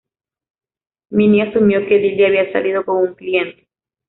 Minnie asumió que Lilly había salido con un cliente.